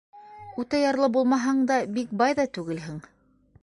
Үтә ярлы булмаһаң да, бик бай ҙа түгелһең.